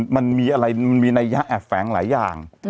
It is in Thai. มันมีอะไรมันมีนัยยะแอบแฝงหลายอย่าง